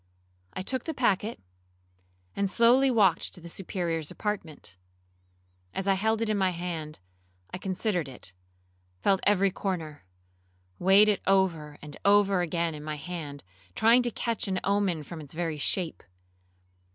I took the packet, and slowly walked to the Superior's apartment. As I held it in my hand, I considered it, felt every corner, weighed it over and over again in my hand, tried to catch an omen from its very shape.